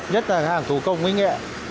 nhất là hàng thủ công mỹ nghệ